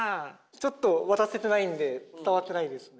ちょっと渡せてないんで伝わってないですね。